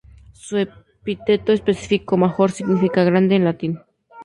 Su epíteto específico "major" significa "grande" en latín.